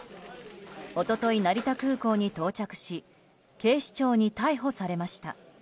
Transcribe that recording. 一昨日、成田空港に到着し警視庁に逮捕されました。